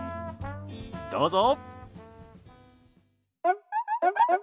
どうぞ。